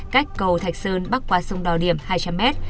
cách cầu thạch sơn bắc qua sông đò điểm hai trăm linh mét